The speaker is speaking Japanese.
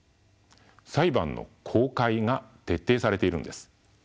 裁判の公開が徹底されているのです。